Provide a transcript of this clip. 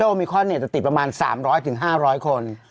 มิคอนจะติดประมาณ๓๐๐๕๐๐คน